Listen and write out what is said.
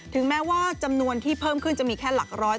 ถึงแม้ว่าจำนวนที่เพิ่มขึ้นจะมีแค่หลัก๑๐๐